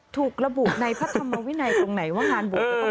ถูกระบุในภรรมวินัยตรงไหน